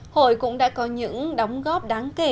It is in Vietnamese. hội cũng đã có những đóng góp đáng kể